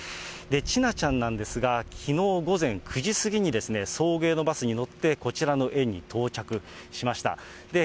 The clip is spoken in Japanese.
千奈ちゃんなんですが、きのう午前９時過ぎに、送迎のバスに乗って、こちらの園に到着しました。